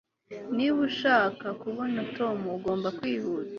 Niba ushaka kubona Tom ugomba kwihuta